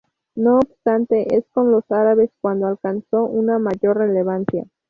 No obstante, es con los árabes cuando alcanzó una mayor relevancia.